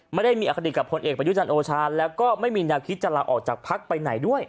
ไม่ได้มีอาคดิตกับผลเอกประยุทธ์จันทร์โอชาญแล้วก็ไม่มีนาภิกษ์จันทร์ออกจากภักดิ์ไปไหนด้วย